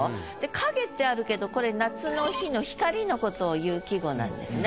「影」ってあるけどこれ夏の日の光のことをいう季語なんですね。